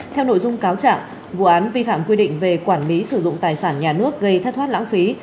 theo nội dung cáo trạng vụ án vi phạm quy định về quản lý sử dụng tài sản nhà nước gây thất thoát lãng phí